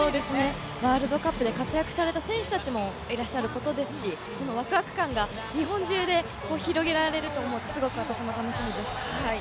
ワールドカップで活躍された選手たちもいらっしゃることですし、ワクワク感が日本中で広げられると思うので、すごく私も楽しみです。